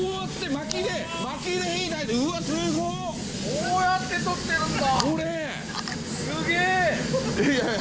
こうやってとってるんだ！